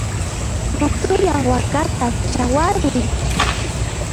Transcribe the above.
Ratulla wakata chawaruy!